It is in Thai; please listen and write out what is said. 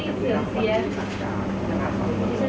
ที่ก็ขอโทษบุธยุทธศาสตร์ทุกคนค่ะ